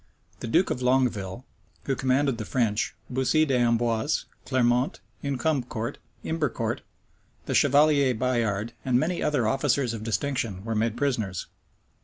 The duke of Longueville, who commanded the French, Bussi d'Amboise, Clermont, Imbercourt, the chevalier Bayard, and many other officers of distinction were made prisoners.